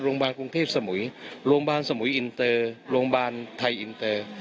โรงพยาบาลกรุงเทพสมุยโรงพยาบาลสมุยอินเตอร์โรงพยาบาลไทยอินเตอร์